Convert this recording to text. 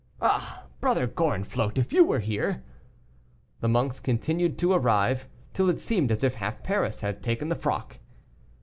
Ah, Brother Gorenflot, if you were here!" The monks continued to arrive, till it seemed as if half Paris had taken the frock.